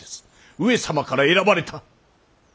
「上様から選ばれた」。